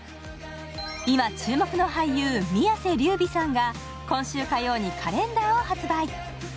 今、注目の俳優、宮世琉弥さんが今週火曜にカレンダーを発売。